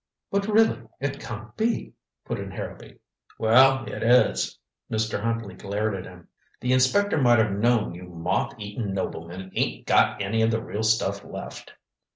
"But really it can't be " put in Harrowby. "Well it is," Mr. Huntley glared at him. "The inspector might have known you moth eaten noblemen ain't got any of the real stuff left."